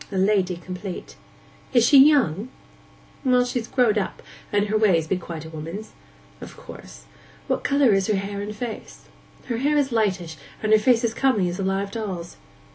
A lady complete.' 'Is she young?' 'Well, she's growed up, and her ways be quite a woman's.' 'Of course. What colour is her hair and face?' 'Her hair is lightish, and her face as comely as a live doll's.